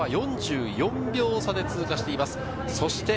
先頭からは４４秒差で通過しています。